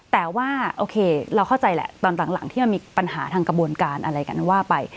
แต่ว่าโอเคเราเข้าใจแหละตอนหลังที่มันมีปัญหาทางกระบวนการอะไรกันว่าไป